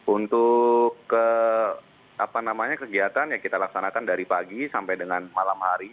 untuk kegiatan yang kita laksanakan dari pagi sampai dengan malam hari